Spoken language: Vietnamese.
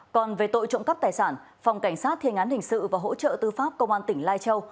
còn về tội trộm cắp tài sản phòng cảnh sát thiên án hình sự và hỗ trợ tư pháp công an tỉnh lai châu